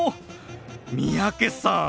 三宅さん